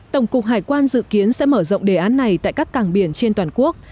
tổng cục hải quan dự kiến sẽ mở rộng đề án này tại các cảng biển trên toàn quốc